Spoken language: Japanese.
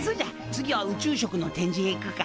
次は宇宙食の展示へ行くか！